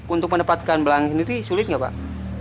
untuk mendapatkan belalang sendiri sulit nggak pak